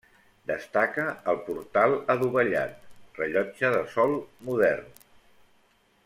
Destaca el portal adovellat, rellotge de sol modern.